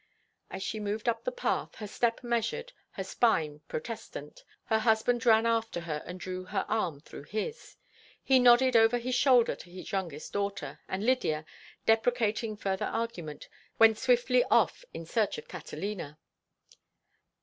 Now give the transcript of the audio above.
As she moved up the path, her step measured, her spine protestant, her husband ran after and drew her arm through his. He nodded over his shoulder to his youngest daughter, and Lydia, deprecating further argument, went swiftly off in search of Catalina.